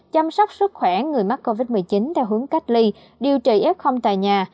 chăm sóc sức khỏe người mắc covid một mươi chín theo hướng cách ly điều trị f tại nhà